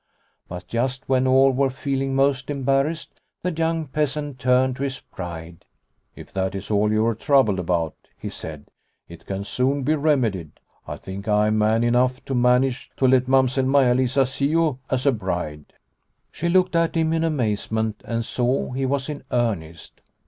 But just when all were feeling most embarrassed, the young peasant turned to his bride. " If that is all you are troubled about," he said, " it can soon be remedied. I think I am man enough to manage to let Mamsell Maia Lisa see you as a bride." She looked at him in amazement and saw he was in earnest.